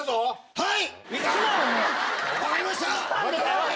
はい。